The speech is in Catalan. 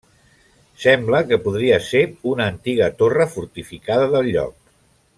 Sembla que podria ser una antiga torre fortificada del lloc.